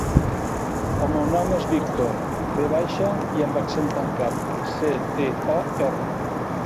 El meu nom és Víctor: ve baixa, i amb accent tancat, ce, te, o, erra.